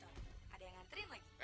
ada yang nganterin like